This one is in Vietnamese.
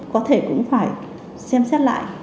có thể cũng phải xem xét lại